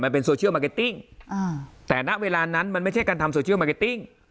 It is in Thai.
เป็นโซเชียลมาร์เก็ตติ้งแต่ณเวลานั้นมันไม่ใช่การทำโซเชียลมาร์เก็ตติ้ง